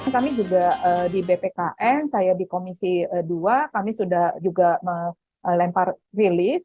kami juga di bpkn saya di komisi dua kami sudah juga melempar rilis